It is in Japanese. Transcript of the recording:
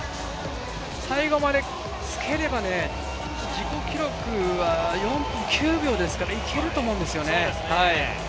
最後までつければ、自己記録は４分９秒ですからいけると思うんですよね。